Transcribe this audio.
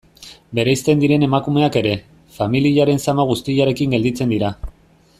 Bereizten diren emakumeak ere, familiaren zama guztiarekin gelditzen dira.